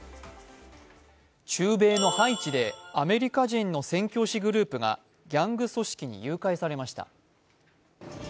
中米のハイチでアメリカ人の宣教師グループがギャング組織に誘拐されました。